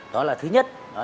đó là thứ nhất